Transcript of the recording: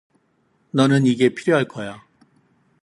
너는 이게 필요할 거야.